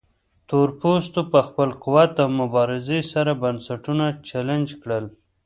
تورپوستو په خپل قوت او مبارزې سره بنسټونه چلنج کړل.